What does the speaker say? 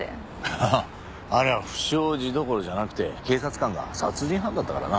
あああれは不祥事どころじゃなくて警察官が殺人犯だったからな。